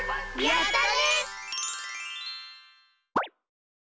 やったね！